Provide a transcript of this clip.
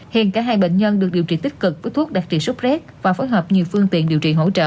hiện cả hai bệnh nhân được điều trị tích cực với thuốc đặc trị sốc rét và phối hợp nhiều phương tiện điều trị hỗ trợ